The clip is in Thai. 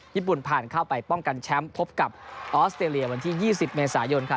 ญี่ปุ่นผ่านเข้าไปป้องกันแชมป์พบกับออสเตรเลียวันที่๒๐เมษายน